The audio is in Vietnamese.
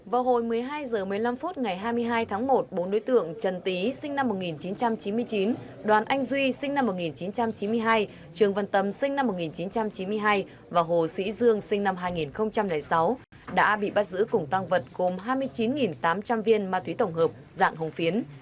vào hồi một mươi hai h một mươi năm phút ngày hai mươi hai tháng một bốn đối tượng trần tý sinh năm một nghìn chín trăm chín mươi chín đoàn anh duy sinh năm một nghìn chín trăm chín mươi hai trương văn tâm sinh năm một nghìn chín trăm chín mươi hai và hồ sĩ dương sinh năm hai nghìn sáu đã bị bắt giữ cùng tăng vật gồm hai mươi chín tám trăm linh viên ma túy tổng hợp dạng hồng phiến